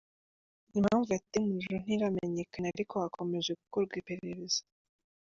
Impamvu yateye umuriro ntiramenyekana ariko hakomeje gukorwa iperereza.